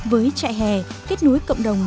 với trại hè kết nối cộng đồng